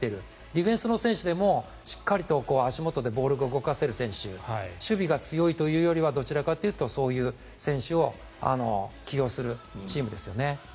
ディフェンスの選手でもしっかりと足元でボールが動かせる選手守備が強いというよりはどちらかというとそういう選手を起用するチームですよね。